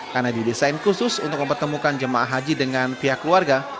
karena didesain khusus untuk mempertemukan jemaah haji dengan pihak keluarga